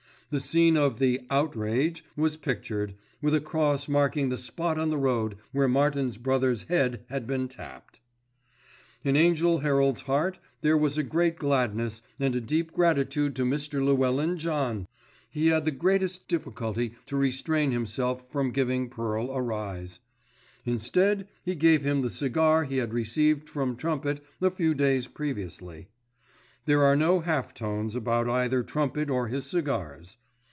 The scene of the "outrage" was pictured, with a cross marking the spot on the road where Martin's brother's head had been tapped. In Angell Herald's heart there was a great gladness and a deep gratitude to Mr. Llewellyn John! He had the greatest difficulty to restrain himself from giving Pearl a rise.—Instead he gave him the cigar he had received from Trumpet a few days previously. There are no half tones about either Trumpet or his cigars.